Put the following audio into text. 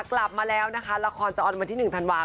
กลับมาแล้วนะคะละครจะออนวันที่๑ธันวาค